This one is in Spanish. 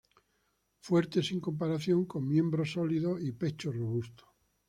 Fuerte sin comparación, con miembros sólidos y pecho robusto.